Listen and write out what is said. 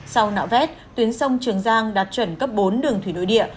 sau nạo vét tuyến sông trường giang đạt chuẩn cấp bốn đường thủy nội địa